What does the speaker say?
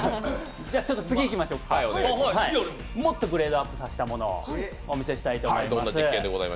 次いきましょうか、もっとグレードアップしたものをお見せしたいと思います。